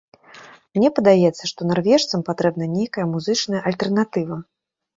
Мне падаецца, што нарвежцам патрэбна нейкая музычная альтэрнатыва.